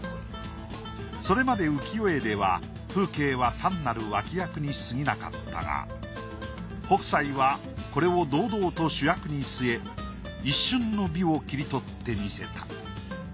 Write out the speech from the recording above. それまで浮世絵では風景は単なる脇役にすぎなかったが北斎はこれを堂々と主役に据え一瞬の美を切り取ってみせた。